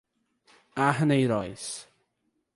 Arneiroz